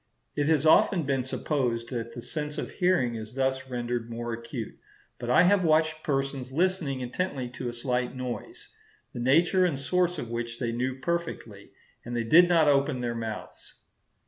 It has often been supposed that the sense of hearing is thus rendered more acute; but I have watched persons listening intently to a slight noise, the nature and source of which they knew perfectly, and they did not open their mouths.